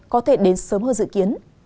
có thể đến sớm hơn dự kiến